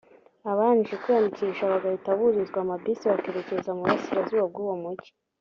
abarangije kwiyandikisha bagahita burizwa amabisi bakereza mu Burasirazuba bw’uwo mujyi